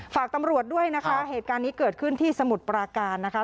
ฝากตำรวจด้วยนะคะเหตุการณ์นี้เกิดขึ้นที่สมุทรปราการนะคะ